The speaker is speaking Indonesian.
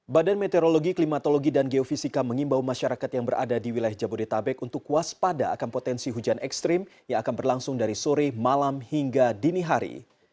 badan meteorologi klimatologi dan geofisika mengimbau masyarakat yang berada di wilayah jabodetabek untuk waspada akan potensi hujan ekstrim yang akan berlangsung dari sore malam hingga dini hari